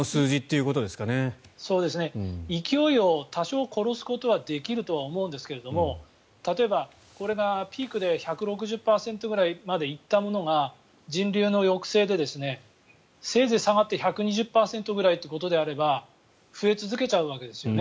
勢いを多少殺すことはできると思うんですけど例えば、これがピークで１６０％ぐらいまで行ったものが人流の抑制でせいぜい下がって１２０％ぐらいということであれば増え続けちゃうわけですよね。